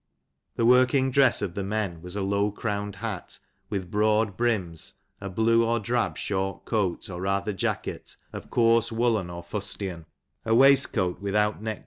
The working dress of the men was a low crowned hat, with broad brims, a blue or drab short coat, or rather jacket, of coarse woollen, or fustiau ; a waistcoat without neck Tin.